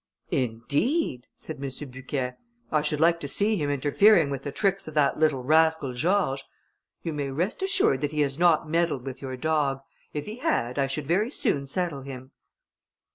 "Indeed!" said M. Bucquet, "I should like to see him interfering with the tricks of that little rascal George. You may rest assured that he has not meddled with your dog. If he had, I should very soon settle him."